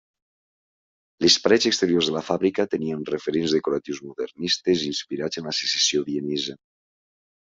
Les parets exteriors de la fàbrica tenien referents decoratius modernistes inspirats en la Secessió vienesa.